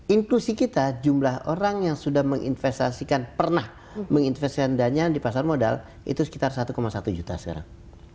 inklusi kita jumlah orang yang sudah menginvestasikan pernah menginvestasikan dana di pasar modal itu sekitar satu satu juta sekarang